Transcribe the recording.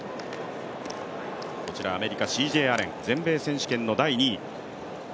こちらアメリカのＣＪ・アレン、全米選手権の第２位。